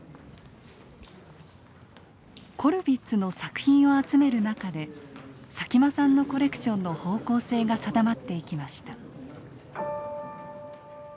コルヴィッツの作品を集める中で佐喜眞さんのコレクションの方向性が定まっていきました。